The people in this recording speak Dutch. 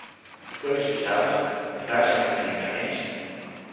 De keuze is duidelijk en wij zijn het hiermee eens.